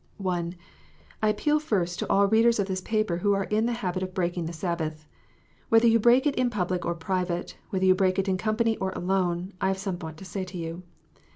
(1) I appeal first to all readers of this paper ivho are in the habit of breaking the Sabbath. Whether you break it in public or private, whether you break it in company or alone, I have somewhat to say to you.